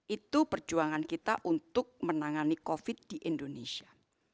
itu perjuangan kita untuk menangani covid di indonesia